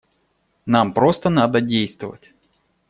Нам просто надо действовать.